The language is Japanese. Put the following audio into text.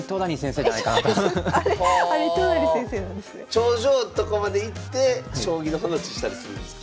頂上とかまで行って将棋の話したりするんですか？